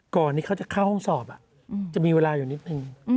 ก่อนที่เขาจะเข้าห้องสอบจะมีเวลาอยู่นิดนึง